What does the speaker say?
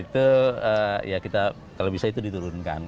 itu ya kita kalau bisa itu diturunkan